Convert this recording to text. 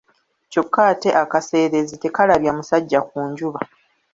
Kyokka ate akaseerezi tekalabya musajja ku njuba.